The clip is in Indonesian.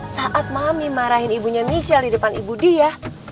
saat mami marahin ibunya michelle di depan ibu dia